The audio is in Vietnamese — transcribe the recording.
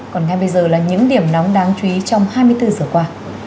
còn ngay bây giờ là những điểm nóng đáng chú ý trong hai mươi bốn giờ qua